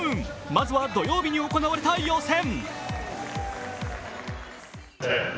まずは土曜日に行われた予選。